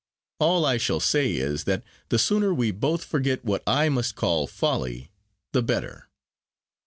All I shall say is, that the sooner we both forget what I must call folly, the better."